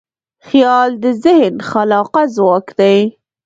خیال د ذهن خلاقه ځواک دی.